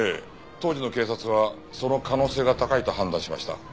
当時の警察はその可能性が高いと判断しました。